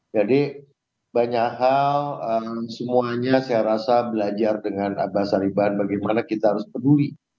jadi banyak hal semuanya saya rasa belajar dengan abah sariban bagaimana kita harus peduli